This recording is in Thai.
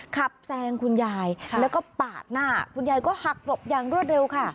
แซงคุณยายแล้วก็ปาดหน้าคุณยายก็หักหลบอย่างรวดเร็วค่ะ